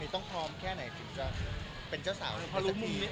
ต้องพร้อมแค่ไหนถึงจะเป็นเจ้าสาวนี้